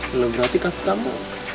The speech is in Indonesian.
belum berarti kakek kamu